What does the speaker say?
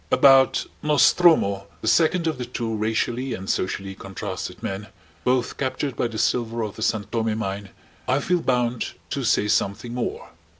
About Nostromo, the second of the two racially and socially contrasted men, both captured by the silver of the San Tome Mine, I feel bound to say something more.